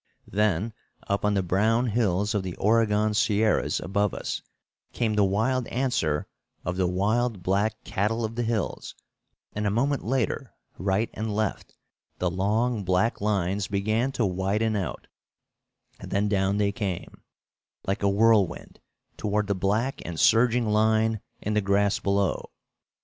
Then up on the brown hills of the Oregon Sierras above us came the wild answer of the wild black cattle of the hills, and a moment later, right and left, the long black lines began to widen out; then down they came, like a whirlwind, toward the black and surging line in the grass below.